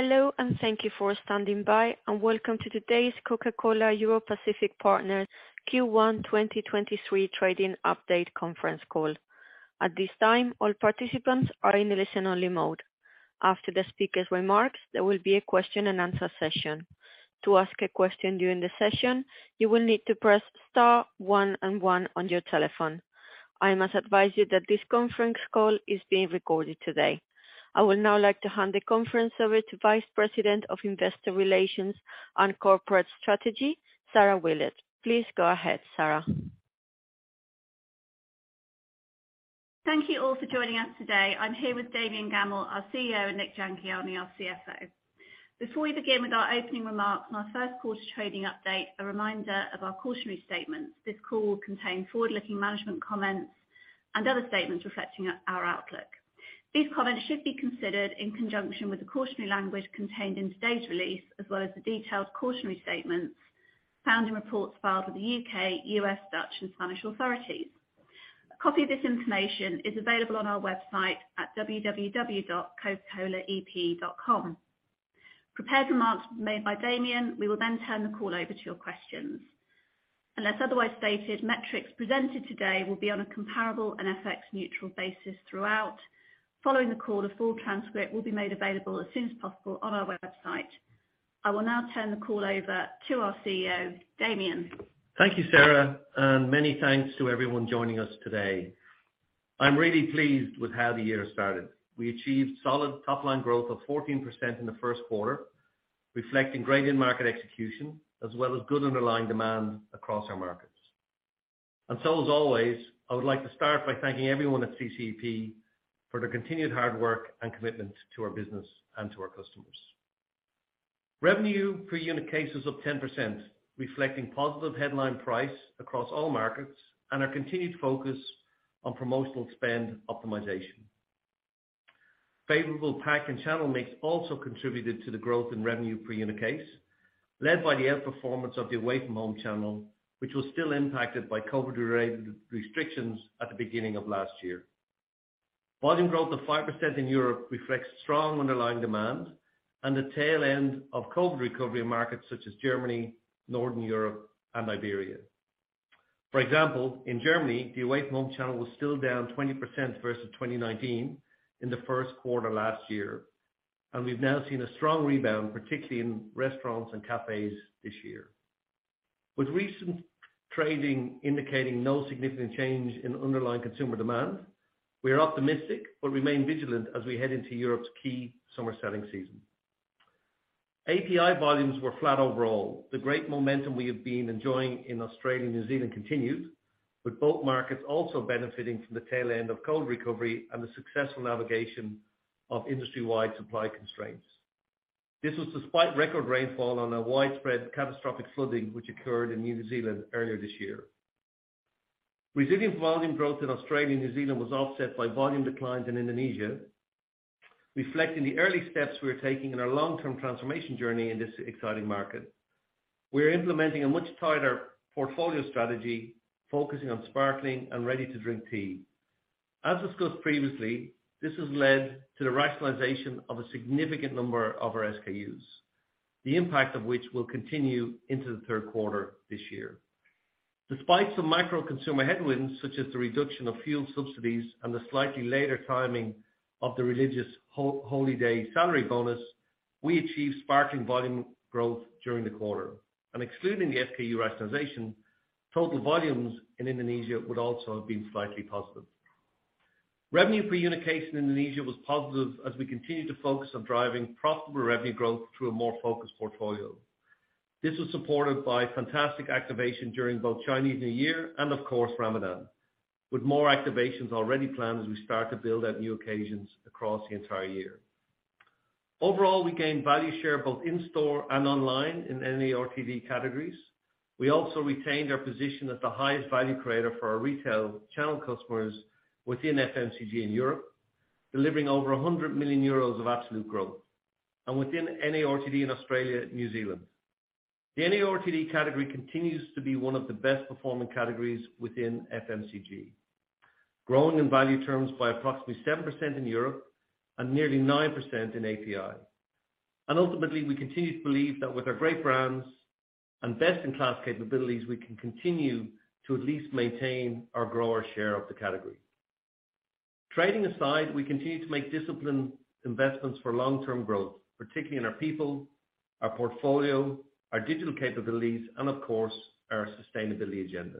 Hello, thank you for standing by, and welcome to today's Coca-Cola Europacific Partners Q1 2023 Trading Update Conference Call. At this time, all participants are in listen only mode. After the speaker's remarks, there will be a question and answer session. To ask a question during the session, you will need to press star one one on your telephone. I must advise you that this conference call is being recorded today. I would now like to hand the conference over to Vice President of Investor Relations and Corporate Strategy, Sarah Willett. Please go ahead, Sarah. Thank you all for joining us today. I'm here with Damian Gammell, our CEO, and Nik Jhangiani, our CFO. Before we begin with our opening remarks and our first quarter trading update, a reminder of our cautionary statements. This call will contain forward-looking management comments and other statements reflecting our outlook. These comments should be considered in conjunction with the cautionary language contained in today's release, as well as the detailed cautionary statements found in reports filed with the U.K., U.S., Dutch and Spanish authorities. A copy of this information is available on our website at www.cocacolaep.com. Prepared remarks made by Damian. We will turn the call over to your questions. Unless otherwise stated, metrics presented today will be on a comparable and FX neutral basis throughout. Following the call, a full transcript will be made available as soon as possible on our website. I will now turn the call over to our CEO, Damian. Thank you, Sarah, and many thanks to everyone joining us today. I'm really pleased with how the year started. We achieved solid top line growth of 14% in the first quarter, reflecting great in-market execution, as well as good underlying demand across our markets. As always, I would like to start by thanking everyone at CCEP for their continued hard work and commitment to our business and to our customers. Revenue per unit case is up 10%, reflecting positive headline price across all markets, and our continued focus on promotional spend optimization. Favorable pack and channel mix also contributed to the growth in revenue per unit case, led by the outperformance of the away-from-home channel, which was still impacted by COVID-related restrictions at the beginning of last year. Volume growth of 5% in Europe reflects strong underlying demand and the tail end of COVID recovery in markets such as Germany, Northern Europe and Iberia. For example, in Germany, the away-from-home channel was still down 20% versus 2019 in the first quarter last year. We've now seen a strong rebound, particularly in restaurants and cafes this year. With recent trading indicating no significant change in underlying consumer demand, we are optimistic but remain vigilant as we head into Europe's key summer selling season. API volumes were flat overall. The great momentum we have been enjoying in Australia and New Zealand continued, with both markets also benefiting from the tail end of COVID recovery and the successful navigation of industry-wide supply constraints. This was despite record rainfall and a widespread catastrophic flooding which occurred in New Zealand earlier this year. Resilient volume growth in Australia and New Zealand was offset by volume declines in Indonesia, reflecting the early steps we are taking in our long-term transformation journey in this exciting market. We are implementing a much tighter portfolio strategy focusing on sparkling and ready-to-drink tea. As discussed previously, this has led to the rationalization of a significant number of our SKUs, the impact of which will continue into the third quarter this year. Despite some micro consumer headwinds, such as the reduction of fuel subsidies and the slightly later timing of the religious Holy Day salary bonus, we achieved sparkling volume growth during the quarter. Excluding the SKU rationalization, total volumes in Indonesia would also have been slightly positive. Revenue per unit case in Indonesia was positive as we continue to focus on driving profitable revenue growth through a more focused portfolio. This was supported by fantastic activation during both Chinese New Year and of course Ramadan, with more activations already planned as we start to build out new occasions across the entire year. Overall, we gained value share both in store and online in NARTD categories. We also retained our position as the highest value creator for our retail channel customers within FMCG in Europe, delivering over 100 million euros of absolute growth, and within NARTD in Australia and New Zealand. The NARTD category continues to be one of the best performing categories within FMCG, growing in value terms by approximately 7% in Europe and nearly 9% in API. Ultimately, we continue to believe that with our great brands and best in class capabilities, we can continue to at least maintain or grow our share of the category. Trading aside, we continue to make disciplined investments for long term growth, particularly in our people, our portfolio, our digital capabilities, and of course, our sustainability agenda.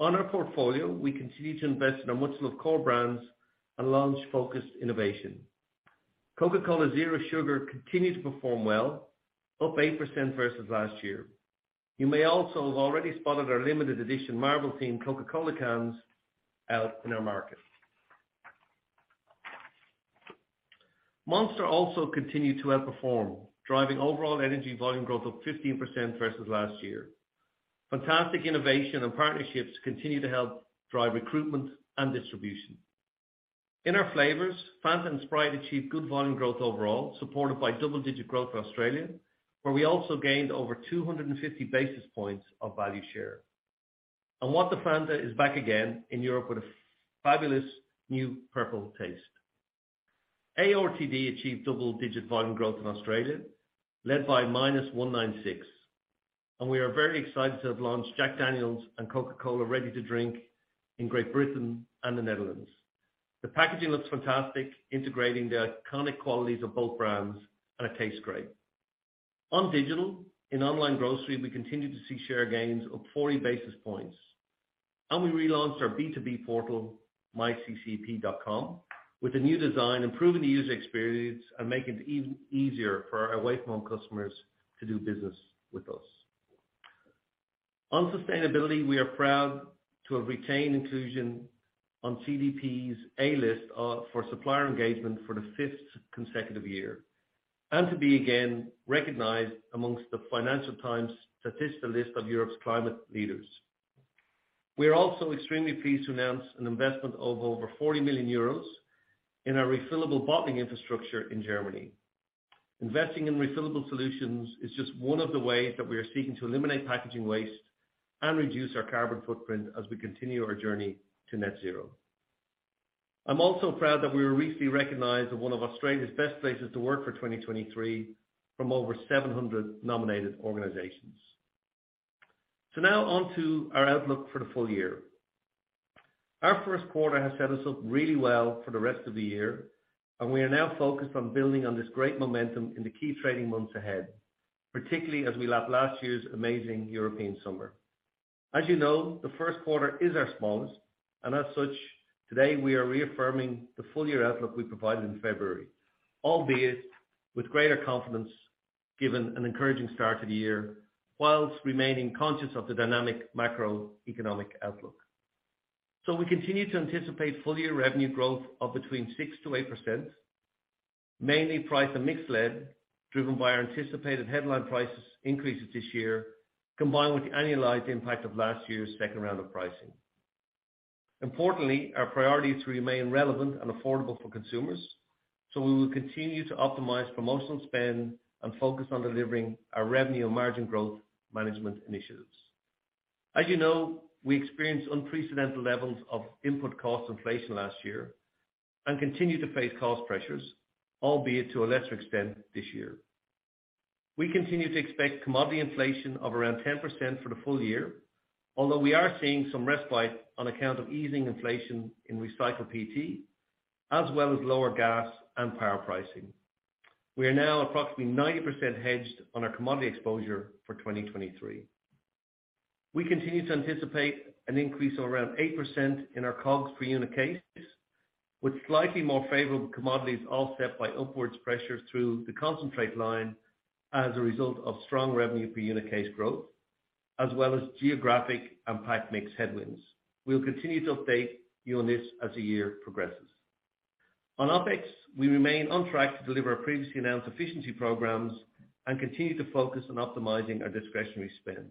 On our portfolio, we continue to invest in our much loved core brands and launch focused innovation. Coca-Cola Zero Sugar continued to perform well, up 8% versus last year. You may also have already spotted our limited edition Marvel themed Coca-Cola cans out in our market. Monster also continued to outperform, driving overall energy volume growth up 15% versus last year. Fantastic innovation and partnerships continue to help drive recruitment and distribution. In our flavors, Fanta and Sprite achieved good volume growth overall, supported by double digit growth in Australia, where we also gained over 250 basis points of value share. WhatTheFanta is back again in Europe with a fabulous new purple taste. ARTD achieved double-digit volume growth in Australia, led by -196, and we are very excited to have launched Jack Daniel's and Coca-Cola ready-to-drink in Great Britain and the Netherlands. The packaging looks fantastic, integrating the iconic qualities of both brands, and it tastes great. On digital, in online grocery, we continue to see share gains of 40 basis points, and we relaunched our B2B portal, My.CCEP.com, with a new design, improving the user experience and making it easier for our away from home customers to do business with us. On sustainability, we are proud to have retained inclusion on CDP's A list for supplier engagement for the 5th consecutive year and to be again recognized amongst the Financial Times-Statista list of Europe's Climate Leaders. We are also extremely pleased to announce an investment of over 40 million euros in our refillable bottling infrastructure in Germany. Investing in refillable solutions is just one of the ways that we are seeking to eliminate packaging waste and reduce our carbon footprint as we continue our journey to net zero. I'm also proud that we were recently recognized as one of Australia's best places to work for 2023 from over 700 nominated organizations. Now on to our outlook for the full year. Our first quarter has set us up really well for the rest of the year, and we are now focused on building on this great momentum in the key trading months ahead, particularly as we lap last year's amazing European summer. As you know, the first quarter is our smallest, and as such, today we are reaffirming the full year outlook we provided in February, albeit with greater confidence given an encouraging start to the year whilst remaining conscious of the dynamic macroeconomic outlook. We continue to anticipate full year revenue growth of between 6%-8%, mainly price and mix led, driven by our anticipated headline prices increases this year, combined with the annualized impact of last year's second round of pricing. Importantly, our priority is to remain relevant and affordable for consumers, so we will continue to optimize promotional spend and focus on delivering our revenue and margin growth management initiatives. As you know, we experienced unprecedented levels of input cost inflation last year and continue to face cost pressures, albeit to a lesser extent this year. We continue to expect commodity inflation of around 10% for the full year, although we are seeing some respite on account of easing inflation in recycled PET, as well as lower gas and power pricing. We are now approximately 90% hedged on our commodity exposure for 2023. We continue to anticipate an increase of around 8% in our COGS per unit case, with slightly more favorable commodities offset by upwards pressures through the concentrate line as a result of strong revenue per unit case growth as well as geographic and pack mix headwinds. We will continue to update you on this as the year progresses. On OpEx, we remain on track to deliver our previously announced efficiency programs and continue to focus on optimizing our discretionary spend.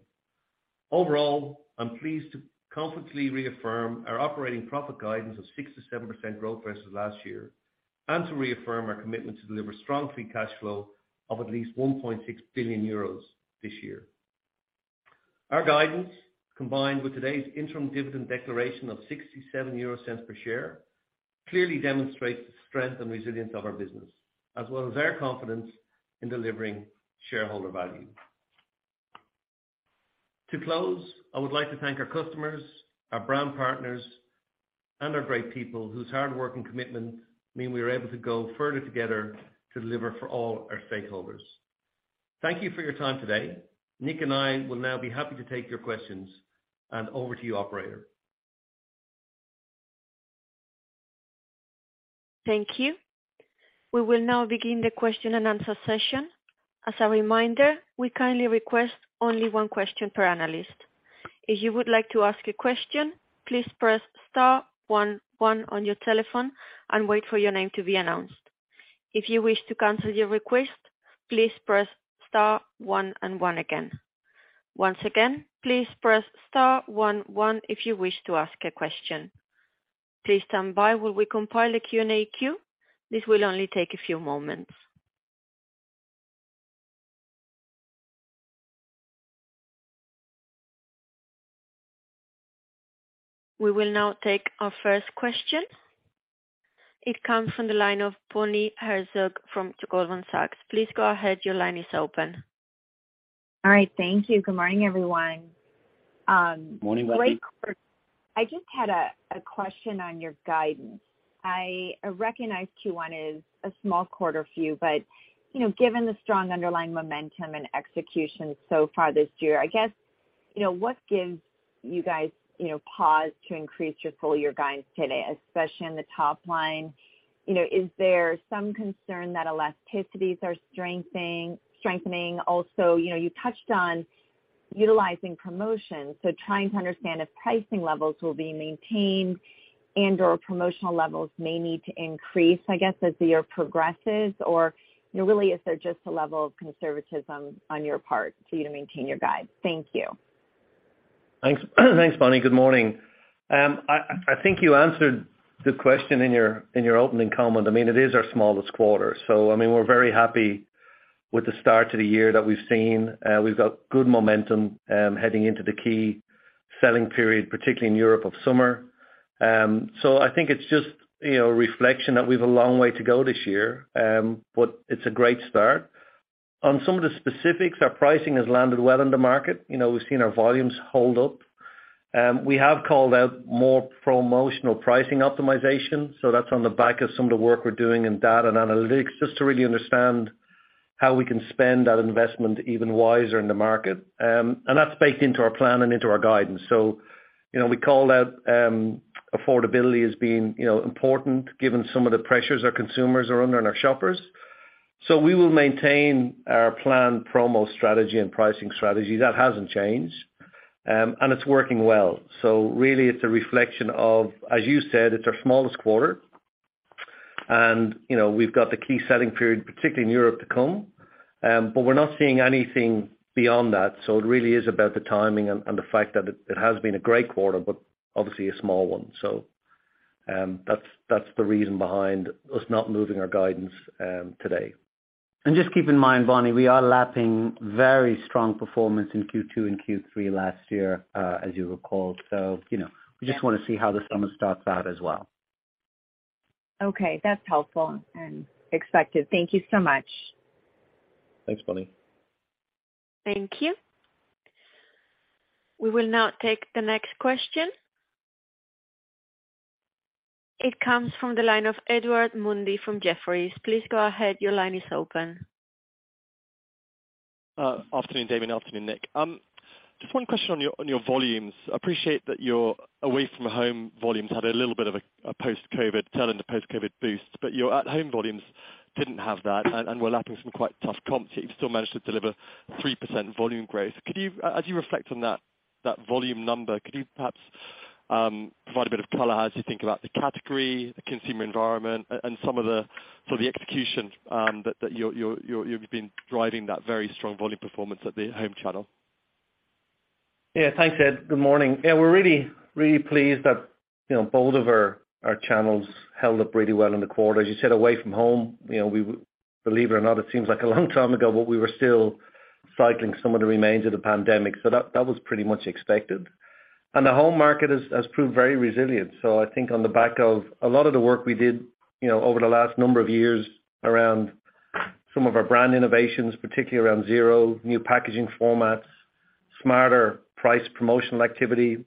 Overall, I'm pleased to confidently reaffirm our operating profit guidance of 6%-7% growth versus last year and to reaffirm our commitment to deliver strong free cash flow of at least 1.6 billion euros this year. Our guidance, combined with today's interim dividend declaration of 0.67 per share, clearly demonstrates the strength and resilience of our business as well as our confidence in delivering shareholder value. To close, I would like to thank our customers, our brand partners, and our great people whose hard work and commitment mean we are able to go further together to deliver for all our stakeholders. Thank you for your time today. Nick and I will now be happy to take your questions. Over to you, operator. Thank you. We will now begin the question and answer session. As a reminder, we kindly request only one question per analyst. If you would like to ask a question, please press star one one on your telephone and wait for your name to be announced. If you wish to cancel your request, please press star one and one again. Once again, please press star one one if you wish to ask a question. Please stand by while we compile a Q&A queue. This will only take a few moments. We will now take our first question. It comes from the line of Bonnie Herzog from Goldman Sachs. Please go ahead. Your line is open. All right. Thank you. Good morning, everyone. Morning, Bonnie. Great quarter. I just had a question on your guidance. I recognize Q1 is a small quarter for you, but, you know, given the strong underlying momentum and execution so far this year, I guess, you know, what gives you guys, you know, pause to increase your full year guidance today, especially on the top line? You know, is there some concern that elasticities are strengthening? Also, you know, you touched on utilizing promotions, so trying to understand if pricing levels will be maintained and/or promotional levels may need to increase, I guess, as the year progresses? Or, you know, really, is there just a level of conservatism on your part for you to maintain your guide? Thank you. Thanks. Thanks, Bonnie. Good morning. I think you answered the question in your, in your opening comment. I mean, it is our smallest quarter. I mean, we're very happy with the start to the year that we've seen. We've got good momentum heading into the key selling period, particularly in Europe of summer. I think it's just, you know, a reflection that we've a long way to go this year. It's a great start. On some of the specifics, our pricing has landed well in the market. You know, we've seen our volumes hold up. We have called out more promotional pricing optimization, that's on the back of some of the work we're doing in data and analytics, just to really understand how we can spend that investment even wiser in the market. That's baked into our plan and into our guidance. You know, we called out affordability as being, you know, important given some of the pressures our consumers are under and our shoppers. We will maintain our planned promo strategy and pricing strategy. That hasn't changed. It's working well. Really it's a reflection of, as you said, it's our smallest quarter. You know, we've got the key selling period, particularly in Europe, to come. We're not seeing anything beyond that, so it really is about the timing and the fact that it has been a great quarter, but obviously a small one. That's, that's the reason behind us not moving our guidance today. Just keep in mind, Bonnie, we are lapping very strong performance in Q2 and Q3 last year, as you'll recall. You know, we just wanna see how the summer starts out as well. Okay. That's helpful and expected. Thank you so much. Thanks, Bonnie. Thank you. We will now take the next question. It comes from the line of Edward Mundy from Jefferies. Please go ahead. Your line is open. Afternoon, Damian. Afternoon, Nick. Just one question on your volumes. Appreciate that your away-from-home volumes had a little bit of a post-COVID tail and a post-COVID boost, but your at-home volumes didn't have that, and we're lapping some quite tough comps. You've still managed to deliver 3% volume growth. Could you, as you reflect on that volume number, could you perhaps provide a bit of color as you think about the category, the consumer environment and some of the sort of the execution that you've been driving that very strong volume performance at the home channel? Thanks, Ed. Good morning. We're really pleased that, you know, both of our channels held up really well in the quarter. As you said, away from home, you know, we believe it or not, it seems like a long time ago, but we were still cycling some of the remains of the pandemic, so that was pretty much expected. The home market has proved very resilient. I think on the back of a lot of the work we did, you know, over the last number of years around some of our brand innovations, particularly around Zero, new packaging formats, smarter price promotional activity,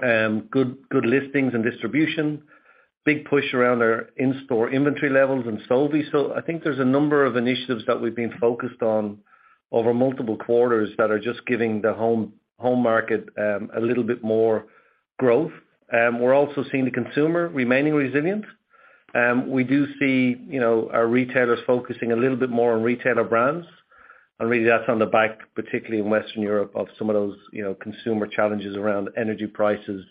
good listings and distribution, big push around our in-store inventory levels and Solvi. I think there's a number of initiatives that we've been focused on over multiple quarters that are just giving the home market a little bit more growth. We're also seeing the consumer remaining resilient. We do see our retailers focusing a little bit more on retailer brands, and really that's on the back, particularly in Western Europe, of some of those consumer challenges around energy prices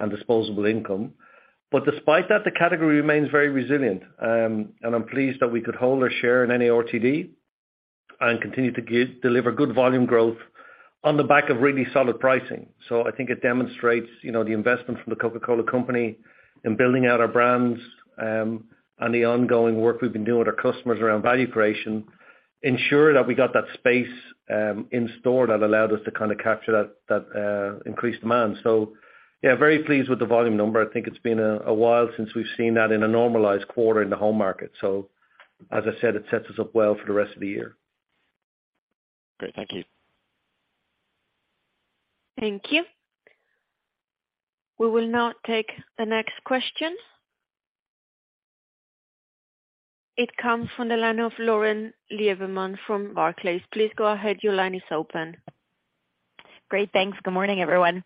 and disposable income. Despite that, the category remains very resilient. I'm pleased that we could hold our share in ARTD and continue to deliver good volume growth on the back of really solid pricing. I think it demonstrates, you know, the investment from The Coca-Cola Company in building out our brands, and the ongoing work we've been doing with our customers around value creation, ensure that we got that space, in store that allowed us to kinda capture that increased demand. Yeah, very pleased with the volume number. I think it's been a while since we've seen that in a normalized quarter in the home market. As I said, it sets us up well for the rest of the year. Great. Thank you. Thank you. We will now take the next question. It comes from the line of Lauren Lieberman from Barclays. Please go ahead. Your line is open. Great. Thanks. Good morning, everyone.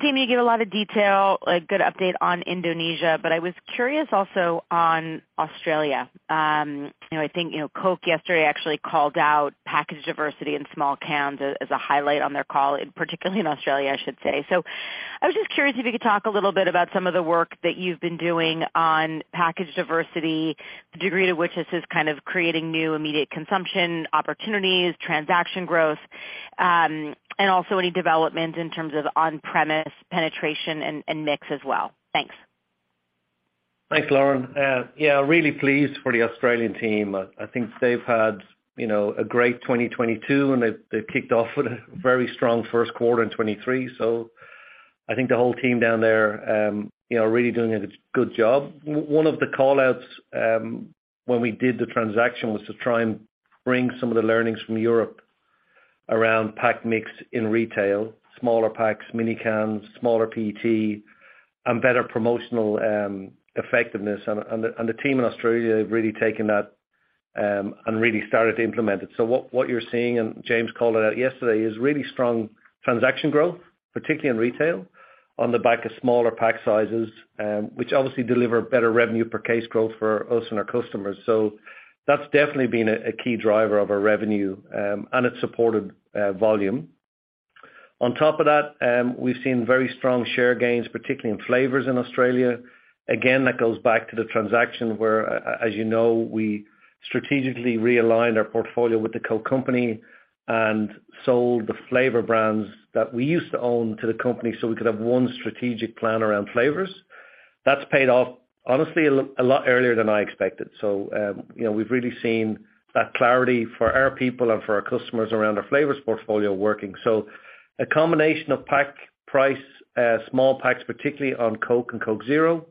Damian, you gave a lot of detail, a good update on Indonesia, I was curious also on Australia. you know, I think, you know, Coke yesterday actually called out package diversity in small cans as a highlight on their call, particularly in Australia, I should say. I just curious if you could talk a little bit about some of the work that you've been doing on package diversity, the degree to which this is kind of creating new immediate consumption opportunities, transaction growth, and also any developments in terms of on-premise penetration and mix as well. Thanks. Thanks, Lauren. Yeah, really pleased for the Australian team. I think they've had, you know, a great 2022, and they've kicked off with a very strong 1st quarter in 2023. I think the whole team down there, you know, are really doing a good job. One of the call-outs when we did the transaction was to try and bring some of the learnings from Europe around pack mix in retail, smaller packs, mini cans, smaller PET and better promotional effectiveness. The team in Australia have really taken that and really started to implement it. What you're seeing, and James called it out yesterday, is really strong transaction growth, particularly in retail on the back of smaller pack sizes, which obviously deliver better revenue per case growth for us and our customers. That's definitely been a key driver of our revenue, and it's supported volume. On top of that, we've seen very strong share gains, particularly in flavors in Australia. Again, that goes back to the transaction where as you know, we strategically realigned our portfolio with The Coca-Cola Company and sold the flavor brands that we used to own to The Coca-Cola Company so we could have one strategic plan around flavors. That's paid off honestly a lot earlier than I expected. You know, we've really seen that clarity for our people and for our customers around our flavors portfolio working. A combination of pack price, small packs, particularly on Coke and Coke Zero,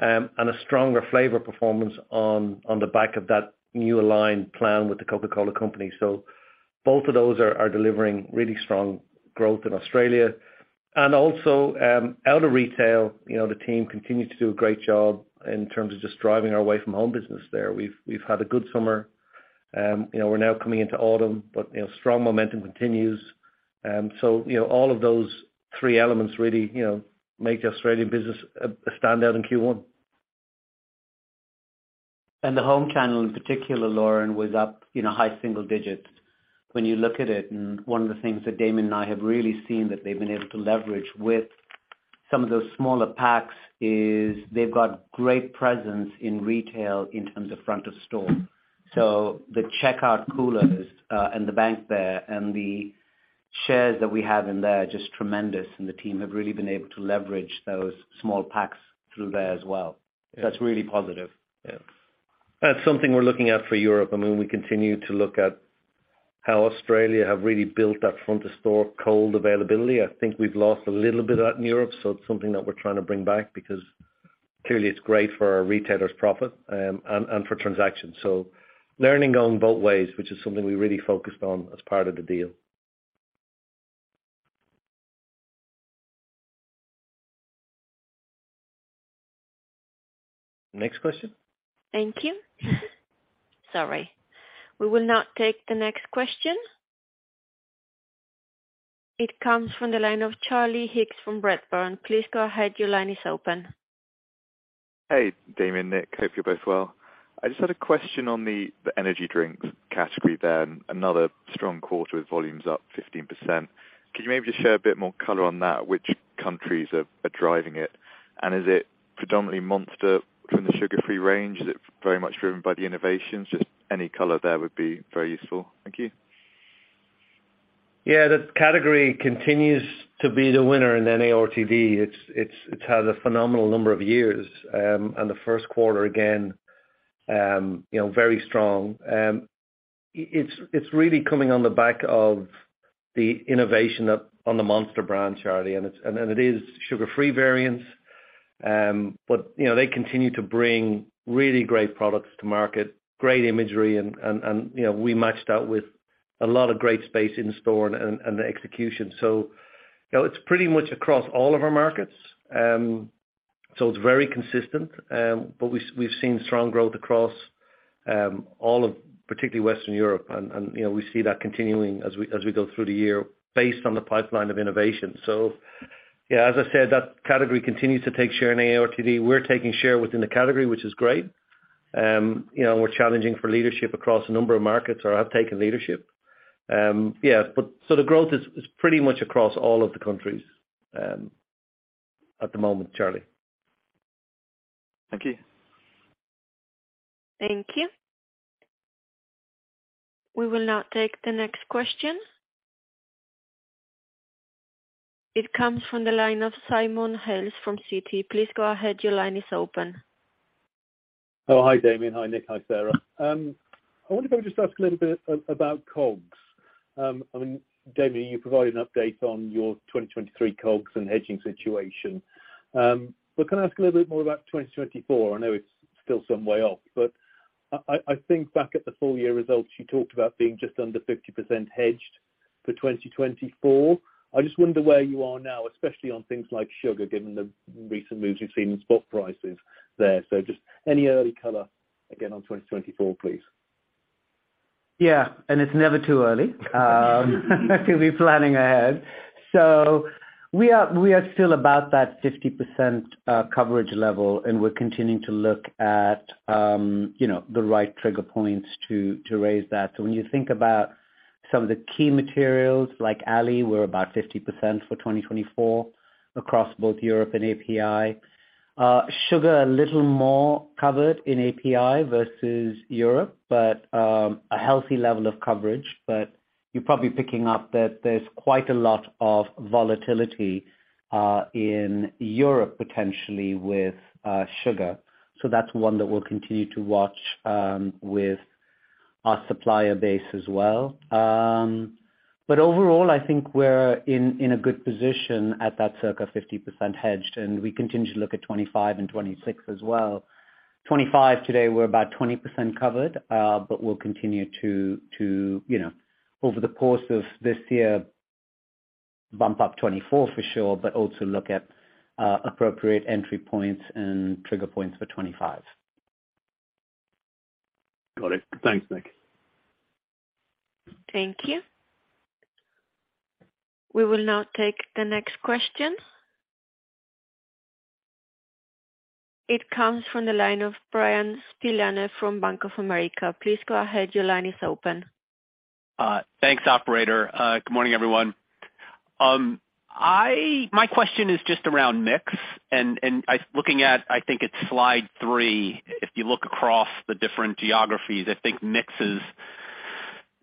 and a stronger flavor performance on the back of that new aligned plan with The Coca-Cola Company. Both of those are delivering really strong growth in Australia. Out of retail, you know, the team continues to do a great job in terms of just driving our way from home business there. We've had a good summer. You know, we're now coming into autumn, you know, strong momentum continues. You know, all of those three elements really, you know, make the Australian business a standout in Q1. The home channel in particular, Lauren, was up in a high single digits. When you look at it, one of the things that Damian and I have really seen that they've been able to leverage with some of those smaller packs is they've got great presence in retail in terms of front of store. The checkout coolers, and the bank there and the shares that we have in there are just tremendous. The team have really been able to leverage those small packs through there as well. Yeah. That's really positive. Yeah. That's something we're looking at for Europe. I mean, we continue to look at how Australia have really built that front of store cold availability. I think we've lost a little bit of that in Europe, so it's something that we're trying to bring back because clearly it's great for our retailers' profit, and for transactions. Learning going both ways, which is something we really focused on as part of the deal. Next question. Thank you. Sorry. We will now take the next question. It comes from the line of Charlie Higgs from Redburn. Please go ahead. Your line is open. Hey, Damian, Nick. Hope you're both well. I just had a question on the energy drinks category there, another strong quarter with volumes up 15%. Could you maybe just share a bit more color on that? Which countries are driving it? Is it predominantly Monster from the sugar-free range? Is it very much driven by the innovations? Any color there would be very useful. Thank you. Yeah. The category continues to be the winner in NARTD. It's had a phenomenal number of years. The first quarter again, you know, very strong. It's really coming on the back of the innovation on the Monster brand, Charlie, and it is sugar-free variants. You know, they continue to bring really great products to market, great imagery and, you know, we matched that with a lot of great space in store and the execution. You know, it's pretty much across all of our markets. It's very consistent. We've seen strong growth across all of particularly Western Europe and, you know, we see that continuing as we go through the year based on the pipeline of innovation. Yeah, as I said, that category continues to take share in NARTD. We're taking share within the category, which is great. You know, we're challenging for leadership across a number of markets or have taken leadership. Yeah. The growth is pretty much across all of the countries at the moment, Charlie. Thank you. Thank you. We will now take the next question. It comes from the line of Simon Hales from Citi. Please go ahead. Your line is open. Hi, Damian. Hi, Nik. Hi, Sarah. I wonder if I could just ask a little bit about COGS. I mean, Damian, you provided an update on your 2023 COGS and hedging situation. Can I ask a little bit more about 2024? I know it's still some way off, but I think back at the full year results, you talked about being just under 50% hedged for 2024. I just wonder where you are now, especially on things like sugar, given the recent moves we've seen in spot prices there. Just any early color again on 2024, please. It's never too early to be planning ahead. We are still about that 50% coverage level, and we're continuing to look at, you know, the right trigger points to raise that. When you think about some of the key materials like Aluminium, we're about 50% for 2024 across both Europe and API. Sugar, a little more covered in API versus Europe, but a healthy level of coverage. You're probably picking up that there's quite a lot of volatility in Europe potentially with sugar. That's one that we'll continue to watch with our supplier base as well. Overall, I think we're in a good position at that circa 50% hedged, and we continue to look at 2025 and 2026 as well. 2025 today we're about 20% covered, but we'll continue to, you know, over the course of this year, bump up 2024 for sure, but also look at appropriate entry points and trigger points for 2025. Got it. Thanks, Nick. Thank you. We will now take the next question. It comes from the line of Bryan Spillane from Bank of America. Please go ahead. Your line is open. Thanks, operator. Good morning, everyone. My question is just around mix and looking at, I think it's slide three, if you look across the different geographies, I think mix is,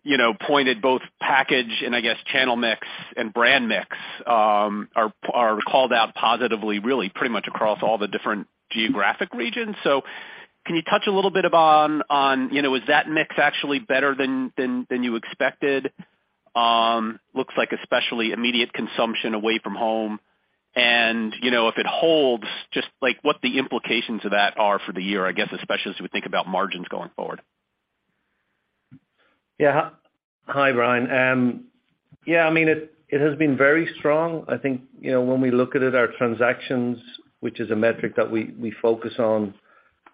you know, pointed both package and I guess, channel mix and brand mix, are called out positively, really pretty much across all the different geographic regions. Can you touch a little bit upon, you know, is that mix actually better than you expected? Looks like especially immediate consumption away from home and, you know, if it holds, just like what the implications of that are for the year, I guess especially as we think about margins going forward. Hi, Bryan. I mean, it has been very strong. I think, you know, when we look at it, our transactions, which is a metric that we focus on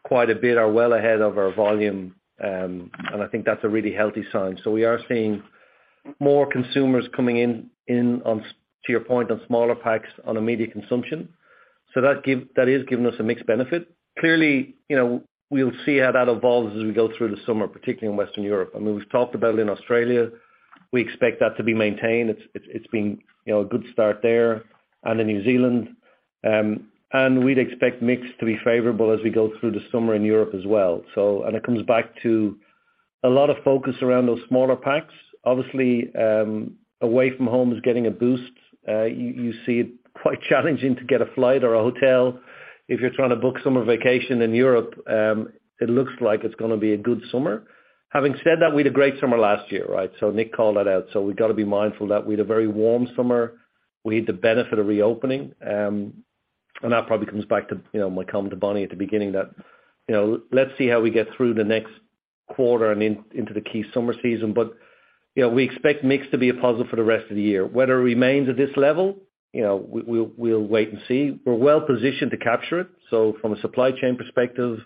quite a bit, are well ahead of our volume. I think that's a really healthy sign. We are seeing more consumers coming in to your point, on smaller packs on immediate consumption. That is giving us a mixed benefit. Clearly, you know, we'll see how that evolves as we go through the summer, particularly in Western Europe. I mean, we've talked about it in Australia. We expect that to be maintained. It's been, you know, a good start there and in New Zealand. We'd expect mix to be favorable as we go through the summer in Europe as well. It comes back to a lot of focus around those smaller packs. Obviously, away from home is getting a boost. You see it quite challenging to get a flight or a hotel if you're trying to book summer vacation in Europe. It looks like it's gonna be a good summer. Having said that, we had a great summer last year, right? Nik called that out, so we've got to be mindful that we had a very warm summer. We had the benefit of reopening. That probably comes back to, you know, my comment to Bonnie at the beginning that, you know, let's see how we get through the next quarter and into the key summer season. You know, we expect mix to be a puzzle for the rest of the year. Whether it remains at this level, you know, we'll wait and see. We're well positioned to capture it. From a supply chain perspective,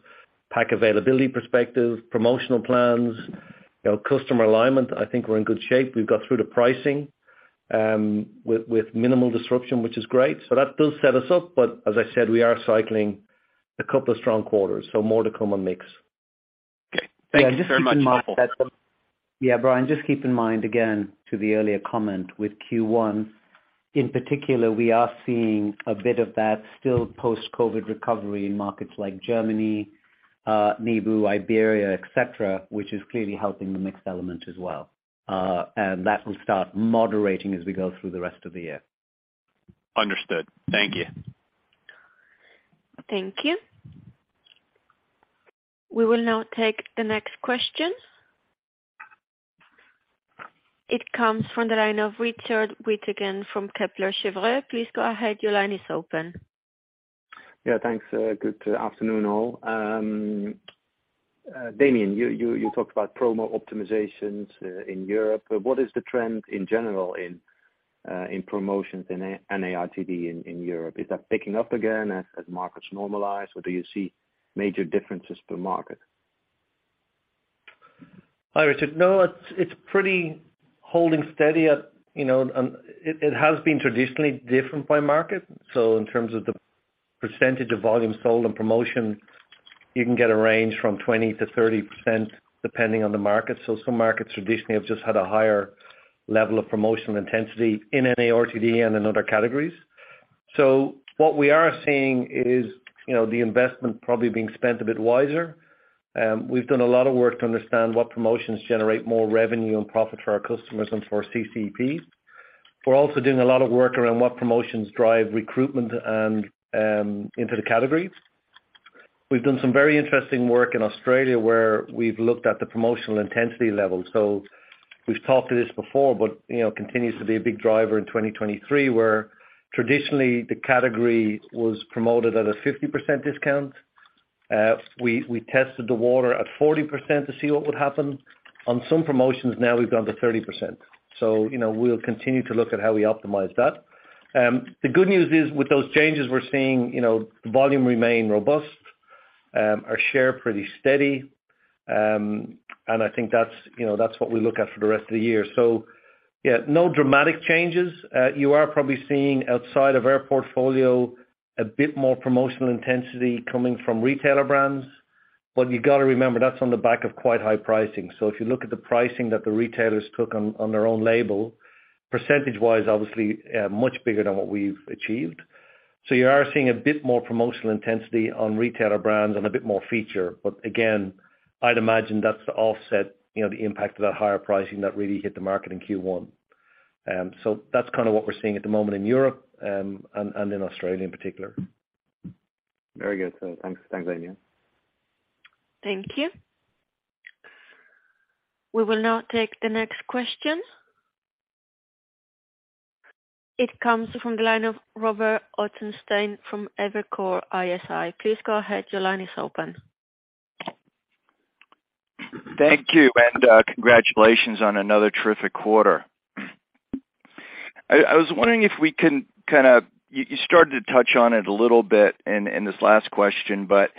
pack availability perspective, promotional plans, you know, customer alignment, I think we're in good shape. We've got through the pricing with minimal disruption, which is great. That does set us up. As I said, we are cycling a couple of strong quarters, so more to come on mix. Okay. Thank you very much. Yeah. Just keep in mind that. Yeah, Brian, just keep in mind, again, to the earlier comment with Q1 in particular, we are seeing a bit of that still post-COVID recovery in markets like Germany, NEBU, Iberia, et cetera, which is clearly helping the mix element as well. That will start moderating as we go through the rest of the year. Understood. Thank you. Thank you. We will now take the next question. It comes from the line of Richard Withagen from Kepler Cheuvreux. Please go ahead. Your line is open. Yeah, thanks. Good afternoon, all. Damian, you talked about promo optimizations in Europe. What is the trend in general in promotions in NARTD in Europe? Is that picking up again as markets normalize, or do you see major differences per market? Hi, Richard. No, it's pretty holding steady at, you know, it has been traditionally different by market. In terms of the percentage of volume sold on promotion, you can get a range from 20%-30% depending on the market. Some markets traditionally have just had a higher level of promotional intensity in NARTD and in other categories. What we are seeing is, you know, the investment probably being spent a bit wiser. We've done a lot of work to understand what promotions generate more revenue and profit for our customers and for CCEP. We're also doing a lot of work around what promotions drive recruitment and into the category. We've done some very interesting work in Australia where we've looked at the promotional intensity level. We've talked to this before, but you know, continues to be a big driver in 2023, where traditionally the category was promoted at a 50% discount. We, we tested the water at 40% to see what would happen. On some promotions now we've gone to 30%. You know, we'll continue to look at how we optimize that. The good news is with those changes we're seeing, you know, volume remain robust, our share pretty steady. And I think that's, you know, that's what we look at for the rest of the year. Yeah, no dramatic changes. You are probably seeing outside of our portfolio a bit more promotional intensity coming from retailer brands. You gotta remember, that's on the back of quite high pricing. If you look at the pricing that the retailers took on their own label, percentage-wise, obviously, much bigger than what we've achieved. You are seeing a bit more promotional intensity on retailer brands and a bit more feature. Again, I'd imagine that's to offset, you know, the impact of that higher pricing that really hit the market in Q1. That's kind of what we're seeing at the moment in Europe, and in Australia in particular. Very good. Thanks. Thanks, Damian. Thank you. We will now take the next question. It comes from the line of Robert Ottenstein from Evercore ISI. Please go ahead. Your line is open. Thank you. Congratulations on another terrific quarter. I was wondering if we can kinda... You started to touch on it a little bit in this last question, but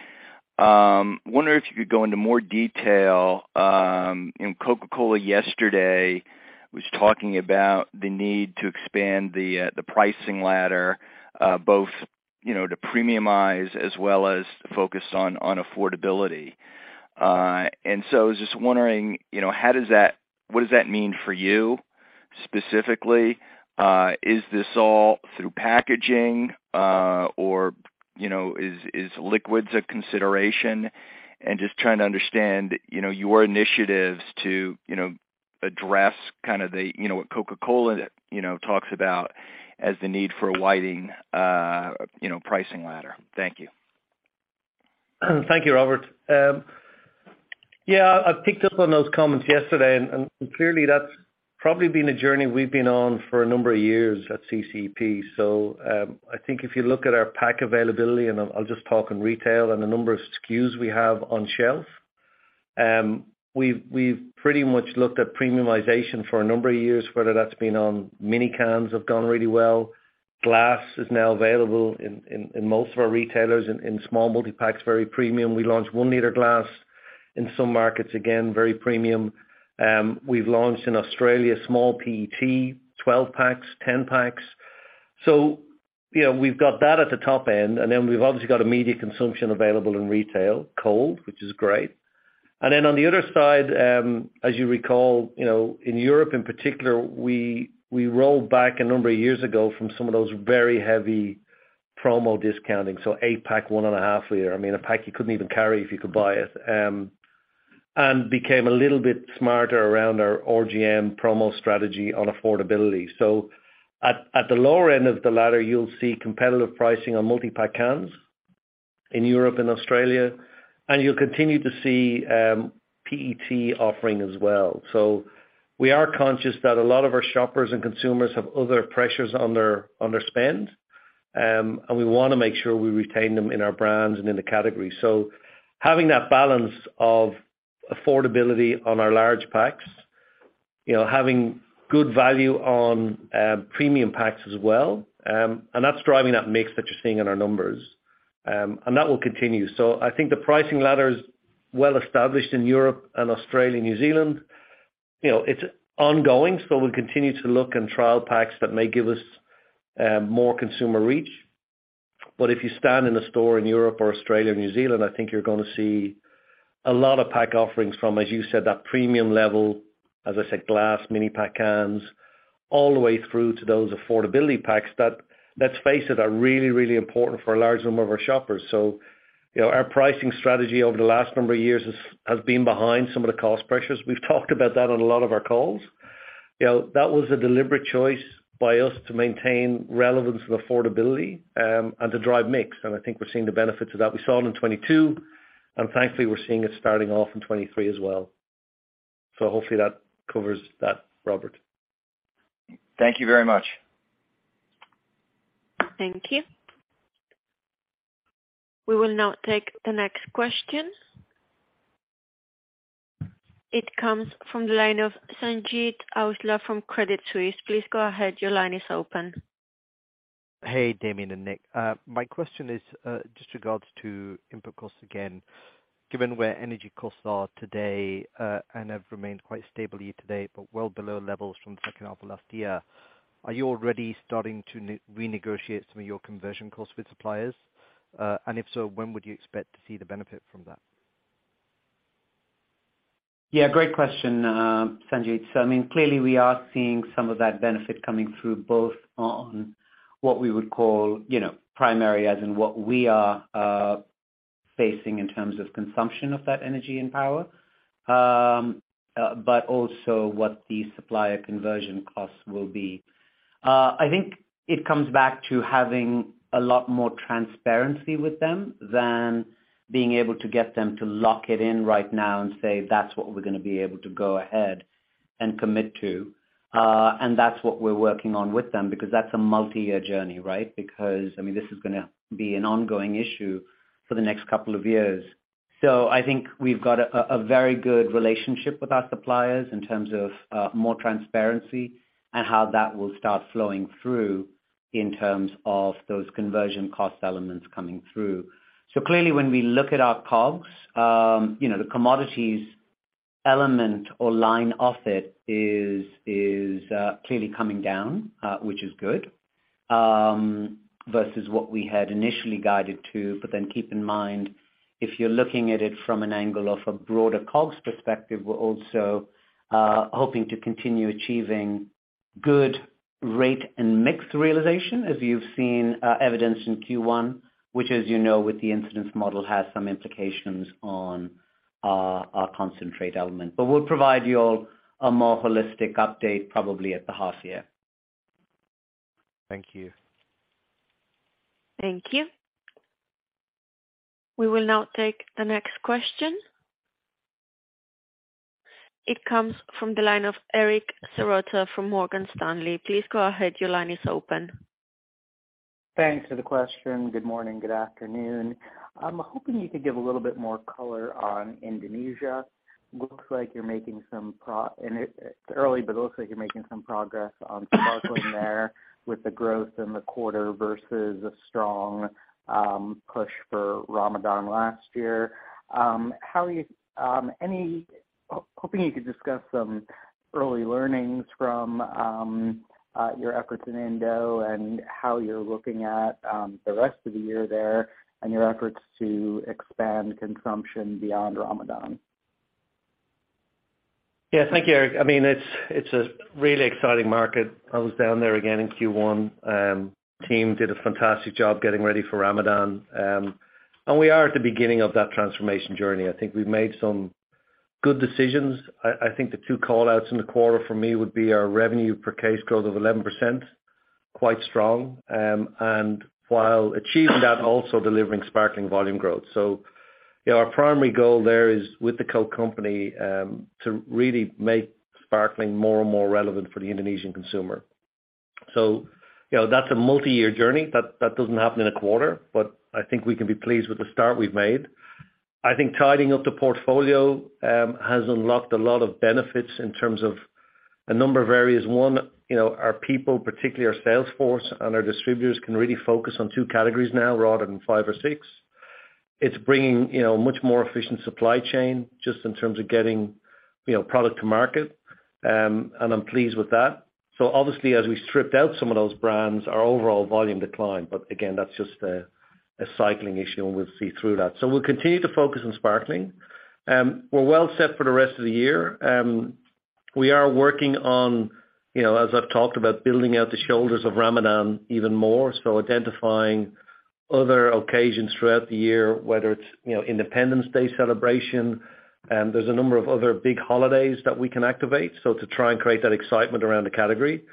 wondering if you could go into more detail. You know, Coca-Cola yesterday was talking about the need to expand the pricing ladder, both, you know, to premiumize as well as focus on affordability. I was just wondering, you know, what does that mean for you? Specifically, is this all through packaging, or, you know, is liquids a consideration? Just trying to understand, you know, your initiatives to, you know, address kind of the, you know, what Coca-Cola, you know, talks about as the need for a widening, you know, pricing ladder. Thank you. Thank you, Robert. Yeah, I picked up on those comments yesterday, Clearly that's probably been a journey we've been on for a number of years at CCEP. I think if you look at our pack availability, and I'll just talk in retail and the number of SKUs we have on shelf, we've pretty much looked at premiumization for a number of years, whether that's been on mini cans have gone really well. Glass is now available in most of our retailers in small multi-packs, very premium. We launched 1 liter glass in some markets, again, very premium. We've launched in Australia, small PET, 12 packs, 10 packs. You know, we've got that at the top end, and then we've obviously got immediate consumption available in retail, cold, which is great. On the other side, as you recall, you know, in Europe in particular, we rolled back a number of years ago from some of those very heavy promo discounting. 8-pack, 1.5 liter. I mean, a pack you couldn't even carry if you could buy it. Became a little bit smarter around our OGM promo strategy on affordability. At the lower end of the ladder, you'll see competitive pricing on multi-pack cans in Europe and Australia, and you'll continue to see PET offering as well. We are conscious that a lot of our shoppers and consumers have other pressures on their spend, and we wanna make sure we retain them in our brands and in the category. Having that balance of affordability on our large packs, you know, having good value on premium packs as well. That's driving that mix that you're seeing in our numbers. That will continue. I think the pricing ladder is well established in Europe and Australia, New Zealand. You know, it's ongoing, so we'll continue to look and trial packs that may give us more consumer reach. If you stand in a store in Europe or Australia or New Zealand, I think you're gonna see a lot of pack offerings from, as you said, that premium level, as I said, glass, mini pack cans, all the way through to those affordability packs that, let's face it, are really, really important for a large number of our shoppers. You know, our pricing strategy over the last number of years has been behind some of the cost pressures. We've talked about that on a lot of our calls. You know, that was a deliberate choice by us to maintain relevance and affordability, and to drive mix. I think we're seeing the benefits of that. We saw it in 2022, and thankfully we're seeing it starting off in 2023 as well. Hopefully that covers that, Robert. Thank you very much. Thank you. We will now take the next question. It comes from the line of Sanjeet Aujla from Credit Suisse. Please go ahead. Your line is open. Hey, Damian and Nik. My question is just regards to input costs again, given where energy costs are today, and have remained quite stable year to date, but well below levels from the second half of last year, are you already starting to renegotiate some of your conversion costs with suppliers? If so, when would you expect to see the benefit from that? Yeah, great question, Sanjeet. I mean, clearly we are seeing some of that benefit coming through both on what we would call, you know, primary as in what we are facing in terms of consumption of that energy and power, but also what the supplier conversion costs will be. I think it comes back to having a lot more transparency with them than being able to get them to lock it in right now and say, "That's what we're gonna be able to go ahead and commit to." And that's what we're working on with them, because that's a multi-year journey, right? Because, I mean, this is gonna be an ongoing issue for the next couple of years. I think we've got a very good relationship with our suppliers in terms of more transparency and how that will start flowing through in terms of those conversion cost elements coming through. Clearly, when we look at our COGS, you know, the commodities element or line of it is clearly coming down, which is good versus what we had initially guided to. Keep in mind, if you're looking at it from an angle of a broader COGS perspective, we're also hoping to continue achieving good rate and mix realization, as you've seen evidenced in Q1, which as you know with the incidence model, has some implications on our concentrate element. We'll provide you all a more holistic update probably at the half year. Thank you. Thank you. We will now take the next question. It comes from the line of Olivier Nicolai from Morgan Stanley. Please go ahead. Your line is open. Thanks for the question. Good morning. Good afternoon. I'm hoping you could give a little bit more color on Indonesia. It's early, but it looks like you're making some progress on sparkling there with the growth in the quarter versus a strong push for Ramadan last year. How are you, any... Hoping you could discuss some early learnings from your efforts in Indo and how you're looking at the rest of the year there and your efforts to expand consumption beyond Ramadan? Yeah. Thank you, Olivier Nicolai. I mean, it's a really exciting market. I was down there again in Q1. Team did a fantastic job getting ready for Ramadan. We are at the beginning of that transformation journey. I think we've made some good decisions. I think the two call-outs in the quarter for me would be our revenue per case growth of 11%, quite strong. While achieving that, also delivering sparkling volume growth. You know, our primary goal there is with The Coke Company to really make sparkling more and more relevant for the Indonesian consumer. You know, that's a multi-year journey. That doesn't happen in a quarter, I think we can be pleased with the start we've made. I think tidying up the portfolio has unlocked a lot of benefits in terms of a number of areas. One, you know, our people, particularly our sales force and our distributors, can really focus on 2 categories now rather than 5 or 6. It's bringing, you know, much more efficient supply chain just in terms of getting, you know, product to market. I'm pleased with that. Obviously, as we stripped out some of those brands, our overall volume declined. Again, that's just a cycling issue and we'll see through that. We'll continue to focus on sparkling. We're well set for the rest of the year. We are working on, you know, as I've talked about, building out the shoulders of Ramadan even more, so identifying other occasions throughout the year, whether it's, you know, Independence Day celebration. There's a number of other big holidays that we can activate, so to try and create that excitement around the category.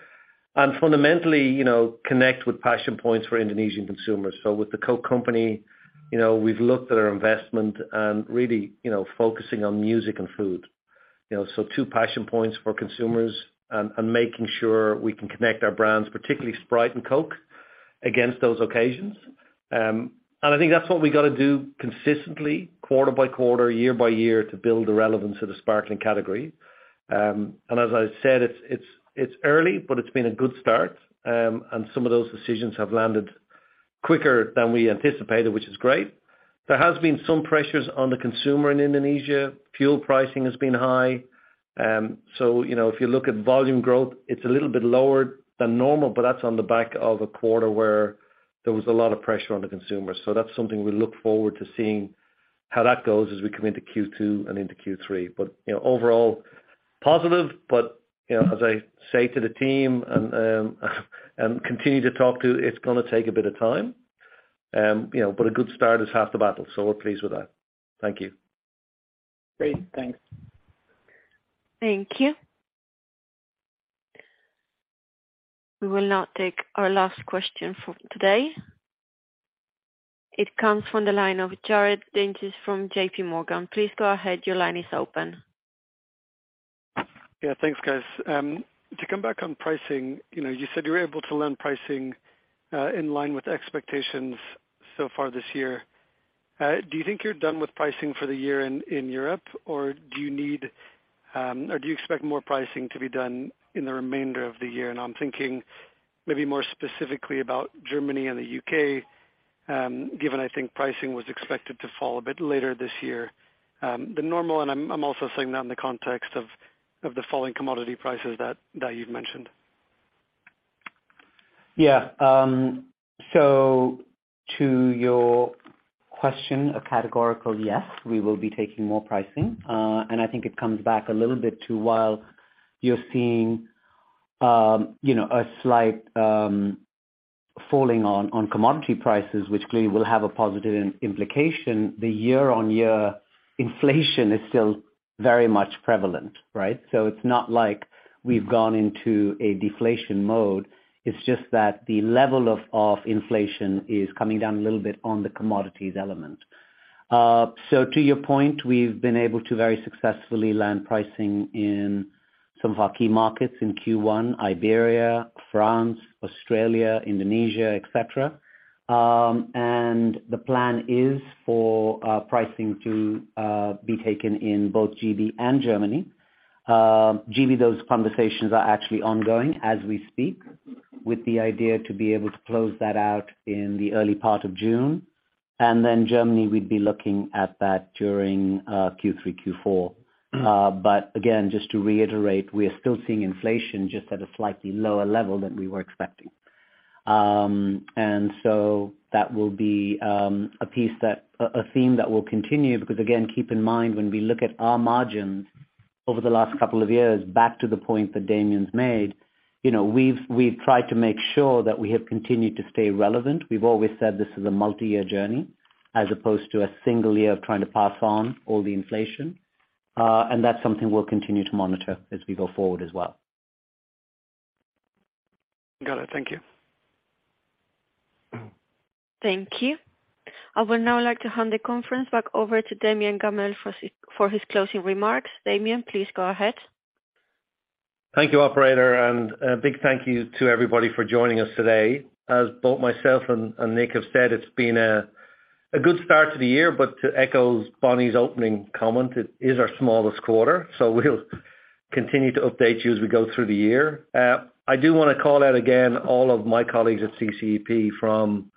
Fundamentally, you know, connect with passion points for Indonesian consumers. With The Coca-Cola Company, you know, we've looked at our investment and really, you know, focusing on music and food. You know, two passion points for consumers and making sure we can connect our brands, particularly Sprite and Coke, against those occasions. I think that's what we gotta do consistently, quarter by quarter, year by year, to build the relevance of the sparkling category. As I said, it's early, but it's been a good start. Some of those decisions have landed quicker than we anticipated, which is great. There has been some pressures on the consumer in Indonesia. Fuel pricing has been high. You know, if you look at volume growth, it's a little bit lower than normal, but that's on the back of a quarter where there was a lot of pressure on the consumer. That's something we look forward to seeing how that goes as we come into Q2 and into Q3. You know, overall positive but, you know, as I say to the team and, continue to talk to, it's gonna take a bit of time. You know, but a good start is half the battle, so we're pleased with that. Thank you. Great. Thanks. Thank you. We will now take our last question for today. It comes from the line of Jared Dinchak from JPMorgan. Please go ahead. Your line is open. Yeah, thanks, guys. To come back on pricing, you know, you said you were able to land pricing in line with expectations so far this year. Do you think you're done with pricing for the year in Europe? Do you need or do you expect more pricing to be done in the remainder of the year? I'm thinking maybe more specifically about Germany and the U.K., given I think pricing was expected to fall a bit later this year than normal. I'm also saying that in the context of the falling commodity prices that you've mentioned. Yeah. To your question, a categorical yes, we will be taking more pricing. I think it comes back a little bit to while you're seeing, you know, a slight falling on commodity prices, which clearly will have a positive implication, the year-on-year inflation is still very much prevalent, right? It's not like we've gone into a deflation mode. It's just that the level of inflation is coming down a little bit on the commodities element. To your point, we've been able to very successfully land pricing in some of our key markets in Q1, Iberia, France, Australia, Indonesia, et cetera. The plan is for pricing to be taken in both GB and Germany. GB, those conversations are actually ongoing as we speak, with the idea to be able to close that out in the early part of June. Then Germany, we'd be looking at that during Q3, Q4. Again, just to reiterate, we are still seeing inflation just at a slightly lower level than we were expecting. So that will be a theme that will continue, because again, keep in mind, when we look at our margins over the last couple of years, back to the point that Damian's made, you know, we've tried to make sure that we have continued to stay relevant. We've always said this is a multi-year journey as opposed to a single year of trying to pass on all the inflation. That's something we'll continue to monitor as we go forward as well. Got it. Thank you. Thank you. I would now like to hand the conference back over to Damian Gammell for his closing remarks. Damian, please go ahead. Thank you, operator. A big thank you to everybody for joining us today. As both myself and Nik have said, it's been a good start to the year, but to echo Bonnie's opening comment, it is our smallest quarter. We'll continue to update you as we go through the year. I do wanna call out again all of my colleagues at CCEP from,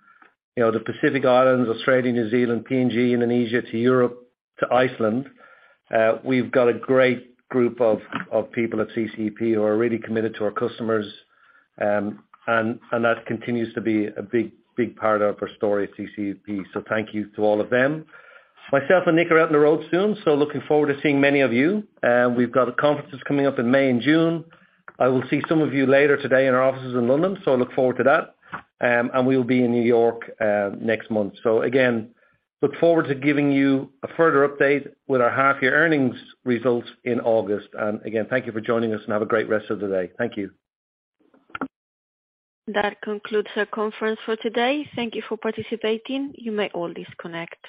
you know, the Pacific Islands, Australia, New Zealand, PNG, Indonesia to Europe to Iceland. We've got a great group of people at CCEP who are really committed to our customers. That continues to be a big part of our story at CCEP. Thank you to all of them. Myself and Nik are out on the road soon, so looking forward to seeing many of you. We've got conferences coming up in May and June. I will see some of you later today in our offices in London, so I look forward to that. We'll be in New York next month. Again, look forward to giving you a further update with our half year earnings results in August. Again, thank you for joining us and have a great rest of the day. Thank you. That concludes our conference for today. Thank you for participating. You may all disconnect.